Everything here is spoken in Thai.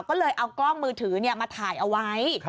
ก็เลยเอากล้องมือถือมาถ่ายเอาไว้